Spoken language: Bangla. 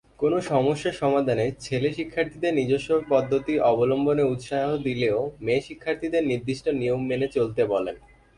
কোন সমস্যা সমাধানে ছেলে শিক্ষার্থীদের নিজস্ব পদ্ধতি অবলম্বনে উৎসাহ দিলেও মেয়ে শিক্ষার্থীদের নির্দিষ্ট নিয়ম মেনে চলতে বলেন।